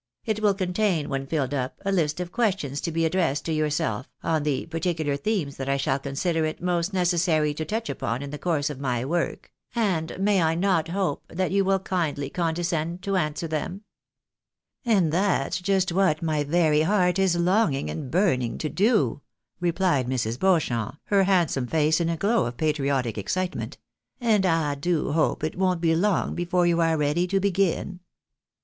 It will contain, when filled up, a hst of questions to be addressed to yourself, on the particular themes that I shall con sider it most necessary to touch upon in the course of my work ; and may I not hope that you will kindly condescend to answer them V "" And that's just what my very heart is longing and burning to do," replied Mrs. Beauchamp, her handsome face in a glow of patriotic excitement ;" and I do hope it won't be long before you are ready to begin."